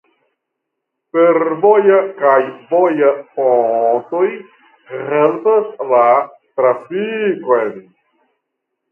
Fervoja kaj voja pontoj helpas la trafikon.